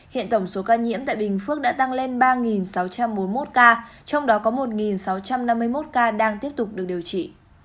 hiện tổng số ca nhiễm tại bình phước đã tăng lên ba sáu trăm bốn mươi một ca trong đó có một sáu trăm năm mươi một ca đang tiếp tục được điều trị